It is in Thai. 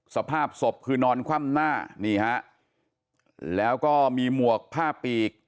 สภาพศพคือนอนคว่ำหน้านี่ฮะแล้วก็มีหมวกผ้าปีก